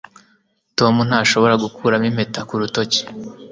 tom ntashobora gukuramo impeta ku rutoki